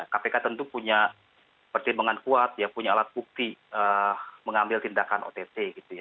kpk tentu punya pertimbangan kuat punya alat bukti mengambil tindakan ott